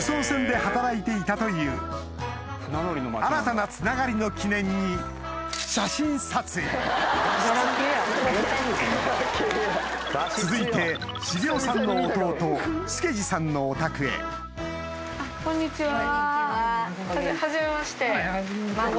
新たなつながりの記念に写真撮影続いて茂夫さんの弟助二さんのお宅へこんにちは。